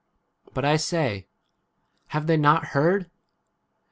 But I say, Have they not heard